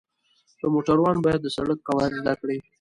د موټروان باید د سړک قواعد زده کړي.